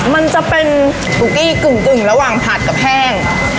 มันจะเป็นตุ๊กกี้กึ่งระหว่างผัดกับแห้ง